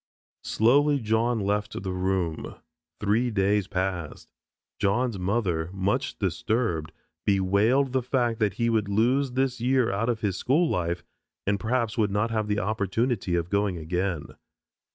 Slowly John left the room. Three days passed. John's mother, much disturbed, bewailed the fact that he would lose this year out of his school life and, perhaps, would not have the opportunity of going again.